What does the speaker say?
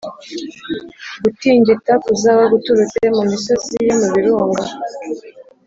gutingita kuzaba guturutse mu misozi yomubirunga